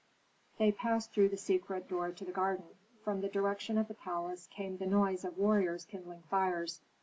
They passed through the secret door to the garden. From the direction of the palace came the noise of warriors kindling fires.